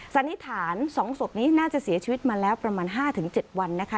สันนิษฐานสองสบนี้น่าจะเสียชีวิตมาแล้วประมาณห้าถึงเจ็ดวันนะคะ